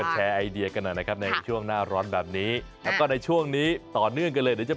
ไม่ยอมออกมาโชว์ตัวให้นักทุ่งเที่ยวได้เห็น